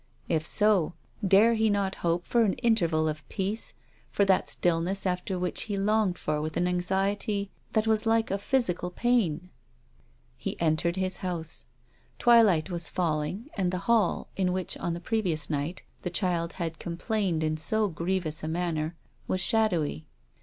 If so, dare he not hope for an interval of peace, for that stillness after which he longed with an anxiety that was like a physical pain ? He entered his house. Twilight was falling, and the hall, in which on the previous night the child had complained in so grievous a manner, was shadowy.